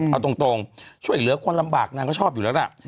เอาตรงช่วยเหลือคนลำบากนางก็ชอบอยู่แล้วล่ะ